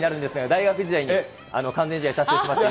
大学時代に完全試合達成しました。